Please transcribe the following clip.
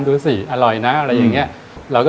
สวัสดีครับผม